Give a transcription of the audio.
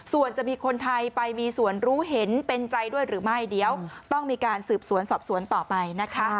ส่วนจะมีคนไทยไปมีส่วนรู้เห็นเป็นใจด้วยหรือไม่เดี๋ยวต้องมีการสืบสวนสอบสวนต่อไปนะคะ